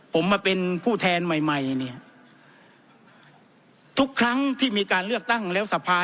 ผมมาเป็นผู้แทนใหม่ใหม่เนี่ยทุกครั้งที่มีการเลือกตั้งแล้วสภา